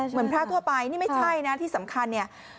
เหมือนพระทั่วไปนี่ไม่ใช่นะที่สำคัญเนี่ย